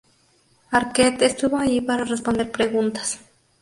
Arquette estuvo allí para responder preguntas.